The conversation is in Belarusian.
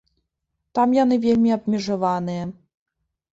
Там яны вельмі абмежаваныя.